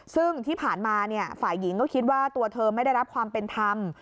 ซึ่งที่ผ่านมาฝ่ายหญิงก็คิดว่าตัวเธอไม่ได้รับความเป็นธรรม